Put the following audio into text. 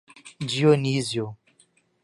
Dionísio